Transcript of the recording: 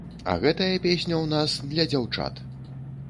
А гэтая песня ў нас для дзяўчат.